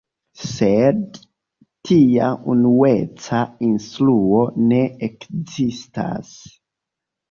Sed tia unueca instruo ne ekzistas.